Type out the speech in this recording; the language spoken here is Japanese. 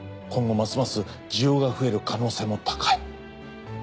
今後ますます需要が増える可能性も高い。